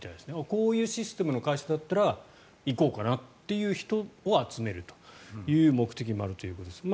こういうシステムの会社だったら行こうかなっていう人を集めるという目的もあるということです。